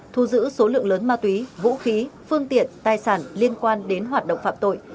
thu giữ số lượng lớn ma túy vũ khí phương tiện tài sản liên quan đến hoạt động phạm tội